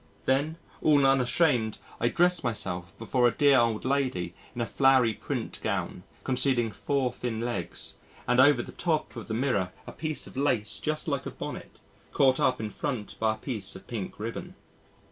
Then all unashamed, I dress myself before a dear old lady in a flowery print gown concealing 4 thin legs and over the top of the mirror a piece of lace just like a bonnet, caught up in front by a piece of pink ribbon.